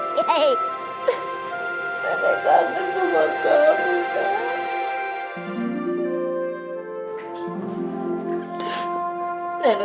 nenek kangen sama kamu kak